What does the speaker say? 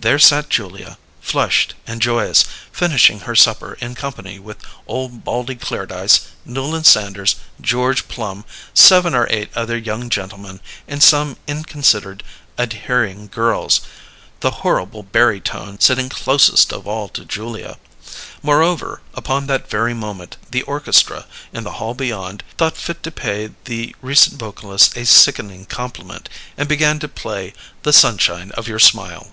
There sat Julia, flushed and joyous, finishing her supper in company with old Baldy Clairdyce, Newland Sanders, George Plum, seven or eight other young gentlemen, and some inconsidered adhering girls the horrible barytone sitting closest of all to Julia. Moreover, upon that very moment the orchestra, in the hall beyond, thought fit to pay the recent vocalist a sickening compliment, and began to play "The Sunshine of Your Smile."